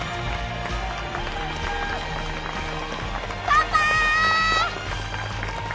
パパ！